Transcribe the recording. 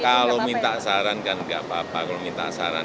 kalau minta saran kan nggak apa apa